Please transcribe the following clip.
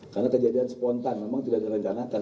karena kejadian spontan memang tidak direncanakan